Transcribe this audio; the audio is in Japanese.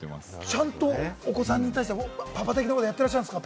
ちゃんとお子さんに対してパパ的なことやってらっしゃるんですか？